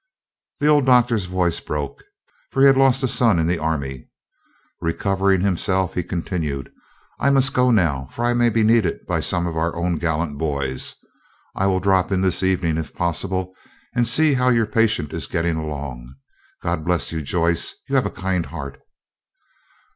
The old Doctor's voice broke, for he had lost a son in the army. Recovering himself, he continued, "I must go now, for I may be needed by some of our own gallant boys. I will drop in this evening, if possible, and see how your patient is getting along. God bless you, Joyce, you have a kind heart."